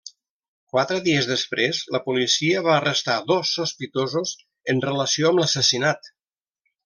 Quatre dies després, la policia va arrestar dos sospitosos en relació amb l'assassinat.